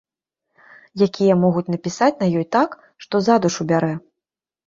Якія могуць напісаць на ёй так, што за душу бярэ.